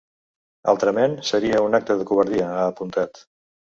Altrament, seria ‘un acte de covardia’, ha apuntat.